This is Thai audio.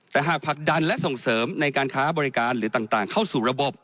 แต่หากผลักดันและส่งเสริมในการค้าบริการหรือต่างเข้าสู่ระบบ